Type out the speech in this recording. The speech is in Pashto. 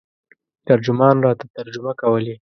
ترجمان راته ترجمه کولې.